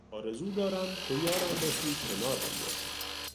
آرزو دارم ، تو یارم باشی ، کنارم باشی